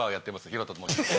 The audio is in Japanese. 廣田と申します。